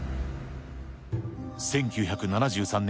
１９７３年